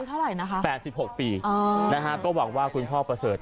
ทีหลายไหนล่ะคะ๘๖ปี